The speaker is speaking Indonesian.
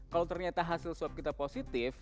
kalau ternyata hasil swab kita positif